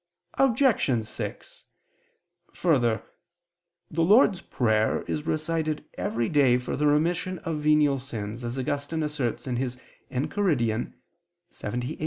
Obj. 6: Further, the Lord's prayer is recited every day for the remission of venial sins, as Augustine asserts (Enchiridion lxxviii).